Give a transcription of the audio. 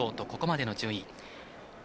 ここまでの順位。